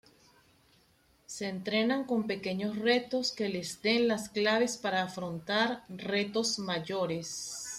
Se entrenan con pequeños retos que les den las claves para afrontar retos mayores.